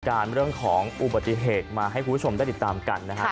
เรื่องของอุบัติเหตุมาให้คุณผู้ชมได้ติดตามกันนะครับ